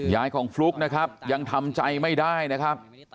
ของฟลุ๊กนะครับยังทำใจไม่ได้นะครับ